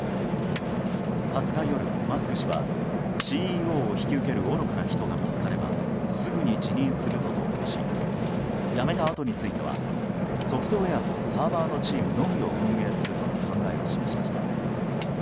２０日夜、マスク氏はＣＥＯを引き受ける愚かな人が見つかればすぐに辞任すると投稿し辞めたあとについてはソフトウェアとサーバーのチームのみを運営するとの考えを示しました。